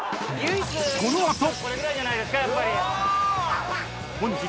これぐらいじゃないですかやっぱり。